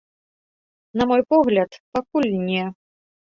На мой погляд, пакуль не.